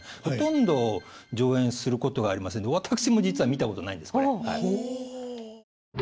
ほとんど上演することがありませんで私も実は見たことないんですこれ。